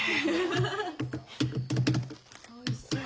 おいしそう。